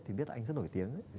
thì biết là anh rất nổi tiếng